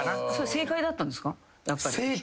「正解だったんですか？」